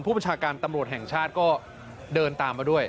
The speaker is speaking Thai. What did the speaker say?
ประชาการตำรวจแห่งชาติก็เดินตามมาด้วย